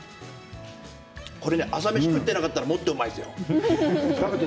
これ、朝飯食っていなかったらもっとうまいよ。